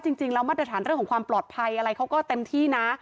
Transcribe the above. จริงแล้วมาตรฐานเรื่องของความปลอดภัยอะไรเขาก็เต็มที่นะ